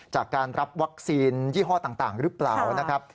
จากการรับวัคซีนยี่ห้อต่างหรือเปล่านะครับ